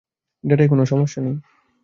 ডেটায় কোনো সমস্যা নেই।